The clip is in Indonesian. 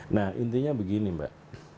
nah intinya begini mbak